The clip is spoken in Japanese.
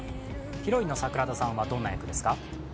ヒロインの桜田さんはどんな役ですか？